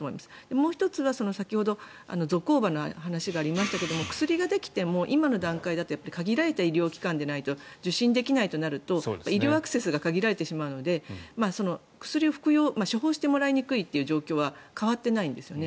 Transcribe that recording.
もう１つは、先ほどゾコーバの話がありましたけど薬ができても今の段階だと限られた医療機関じゃないと受診できないとなると医療アクセスが限られてしまうので薬を処方してもらいにくいという状況は変わっていないんですよね。